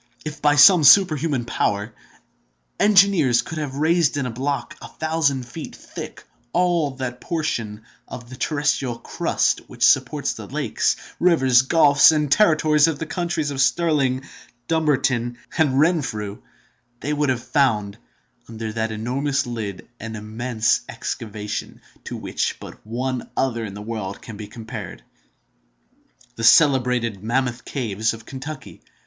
If, by some superhuman power, engineers could have raised in a block, a thousand feet thick, all that portion of the terrestrial crust which supports the lakes, rivers, gulfs, and territories of the counties of Stirling, Dumbarton, and Renfrew, they would have found, under that enormous lid, an immense excavation, to which but one other in the world can be compared—the celebrated Mammoth caves of Kentucky.